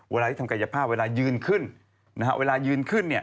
เวลาที่ทำกายภาพเวลายืนขึ้น